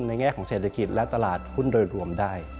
แง่ของเศรษฐกิจและตลาดหุ้นโดยรวมได้